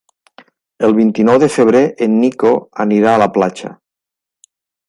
El vint-i-nou de febrer en Nico anirà a la platja.